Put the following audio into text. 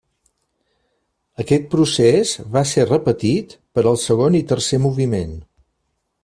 Aquest procés va ser repetit per al segon i tercer moviment.